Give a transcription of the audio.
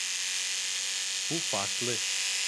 Bu farklı.